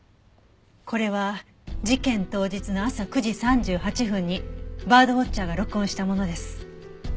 これは事件当日の朝９時３８分にバードウォッチャーが録音したものです。